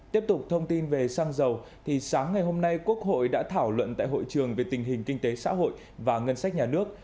tiếp tục thông tin về xăng dầu thì sáng ngày hôm nay quốc hội đã thảo luận tại hội trường về tình hình kinh tế xã hội và ngân sách nhà nước